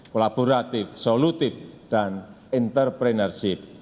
kolaboratif dan berkembang